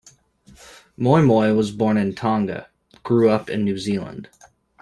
Moimoi was born in Tonga, grew up in New Zealand.